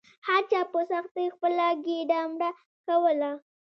هر چا په سختۍ خپله ګیډه مړه کوله.